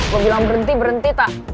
gue bilang berhenti berhenti tak